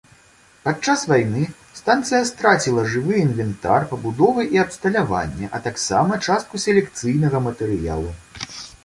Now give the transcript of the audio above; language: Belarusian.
Падчас вайны станцыя страціла жывы інвентар, пабудовы і абсталяванне, а таксама частку селекцыйнага матэрыялу.